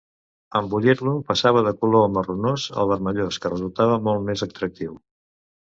En bullir-lo passava de color marronós al vermellós, que resultava molt més atractiu.